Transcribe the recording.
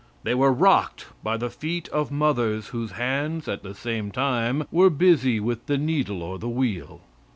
They were rocked by the feet of mothers whose hands, at the same time, were busy with the needle or the wheel.